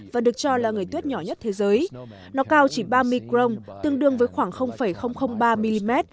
và được cho là người tuyết nhỏ nhất thế giới nó cao chỉ ba micron tương đương với khoảng ba mm